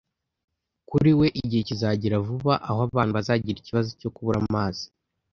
Kuri we, igihe kizagera vuba aho abantu bazagira ikibazo cyo kubura amazi.